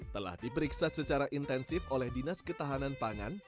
telah diperiksa secara intensif oleh dinas ketahanan pangan